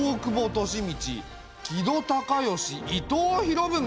利通木戸孝允伊藤博文。